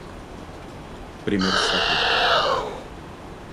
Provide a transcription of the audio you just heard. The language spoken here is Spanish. Primer Zaque.